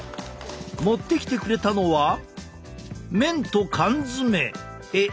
持ってきてくれたのは麺と缶詰えっ